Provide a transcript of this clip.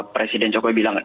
presiden jokowi bilang